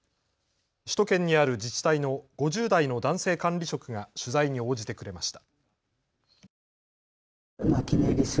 首都圏にある自治体の５０代の男性管理職が取材に応じてくれました。